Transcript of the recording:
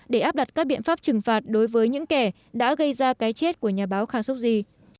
để áp đặt các biện pháp trừng phạt đối với những kẻ đã gây ra cái chết của nhà báo khashoggi